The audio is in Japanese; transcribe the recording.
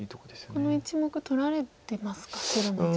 この１目取られてますか白の１目。